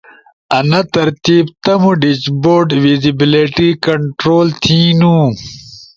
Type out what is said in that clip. انا ترتیب تمو ڈیشبورڈ ویسیبیلیٹی کنٹرول تھینو۔